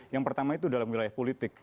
yang pertama itu dalam wilayah politik